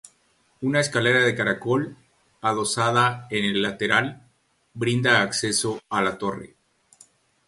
Una escalera de caracol, adosada en el lateral, brinda acceso a la torre.